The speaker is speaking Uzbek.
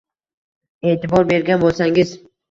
E’tibor bergan bo‘lsangiz